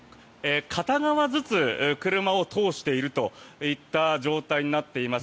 片側ずつ車を通している状態になっています。